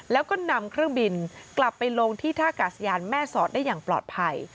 แล้วก็นำเครื่องบินกลับไปลงที่ท่ากาศยานแม่สอดได้อย่างปลอดภัย